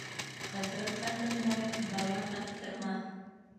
Ҡыҫыр ҡатындан бала таптырма.